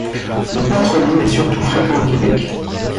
Le patronyme est surtout fréquent au Québec.